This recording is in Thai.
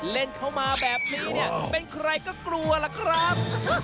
เล่นเข้ามาแบบนี้เนี่ยเป็นใครก็กลัวล่ะครับ